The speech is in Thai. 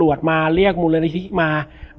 แล้วสักครั้งหนึ่งเขารู้สึกอึดอัดที่หน้าอก